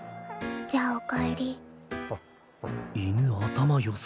じゃあお帰り。